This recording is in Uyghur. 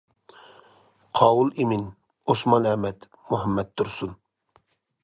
قاۋۇل ئىمىن، ئوسمان ئەمەت، مۇھەممەت تۇرسۇن.